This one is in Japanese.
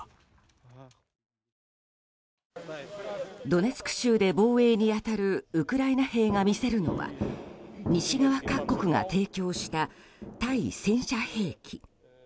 ドネツク州で防衛に当たるウクライナ兵が見せるのは西側各国が提供した対戦車兵器。